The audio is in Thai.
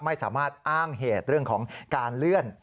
ไม่สามารถอ้างเหตุเรื่องของการเลื่อน